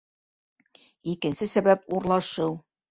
Икенсе сәбәп - урлашыу.